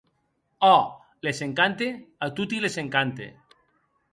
Òc, les encante, a toti les encante!